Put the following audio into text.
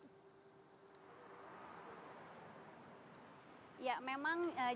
ya memang jalur cadas pangeran ini